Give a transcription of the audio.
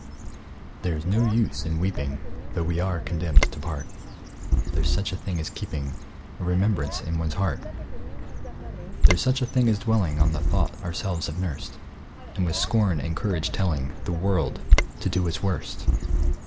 There's no use in weeping, Though we are condemned to part: There's such a thing as keeping A remembrance in one's heart: There's such a thing as dwelling On the thought ourselves have nursed, And with scorn and courage telling The world to do its worst.